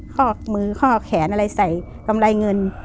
ข้อมือข้อแขนอะไรใส่กำไรเงิน